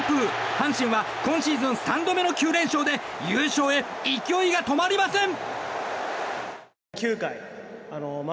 阪神は今シーズン３度目の９連勝で優勝へ勢いが止まりません！